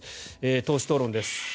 党首討論です。